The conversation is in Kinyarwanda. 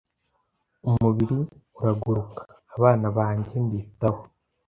umubiri uragaruka, abana bange mbitaho.